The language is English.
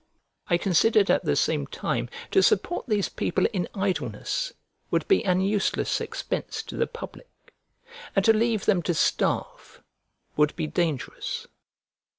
I considered at the same time to support these people in idleness would be an useless expense to the public; and to leave them to starve would be dangerous.